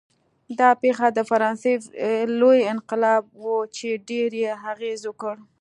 دا پېښه د فرانسې لوی انقلاب و چې ډېر یې اغېز وکړ.